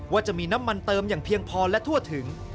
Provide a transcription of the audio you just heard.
ว่าจะมีน้ำมันเติมอย่างเพียงพอและทั่วถึง